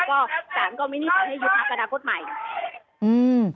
ก็สารก็ไม่นิจฉันให้ยุบพักอนาคตใหม่